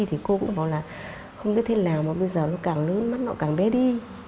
thì cô cũng bảo là không biết thế nào mà bây giờ nó càng lớn mắt nó càng bé đi